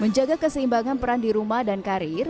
menjaga keseimbangan peran di rumah dan karir